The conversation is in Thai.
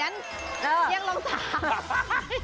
เออแย่งรองสาว